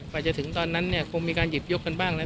กว่าจะถึงตอนนั้นเนี่ยคงมีการหยิบยกกันบ้างแล้ว